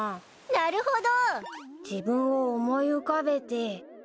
なるほど！